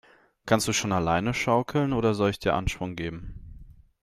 Kannst du schon alleine schaukeln, oder soll ich dir Anschwung geben?